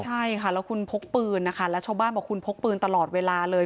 ใช่ค่ะแล้วคุณพกปืนนะคะแล้วชาวบ้านบอกคุณพกปืนตลอดเวลาเลย